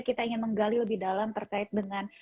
kita ingin menggali lebih dalam terkait dengan